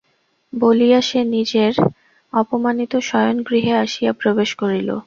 বলিয়া সে নিজের অপমানিত শয়নগৃহে আসিয়া প্রবেশ করিল।